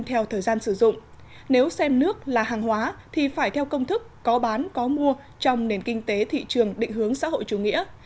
theo thời gian sử dụng nếu xem nước là hàng hóa thì phải theo công thức có bán có mua trong nền kinh tế thị trường định hướng xã hội chủ nghĩa